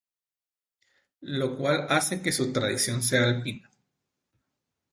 Lo cual hace que su tradición sea alpina.